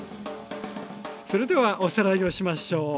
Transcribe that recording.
それではおさらいをしましょう。